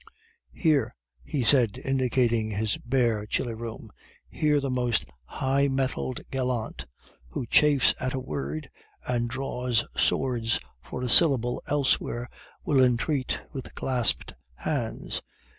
"'Here,' he said, indicating his bare, chilly room, 'here the most high mettled gallant, who chafes at a word and draws swords for a syllable elsewhere will entreat with clasped hands.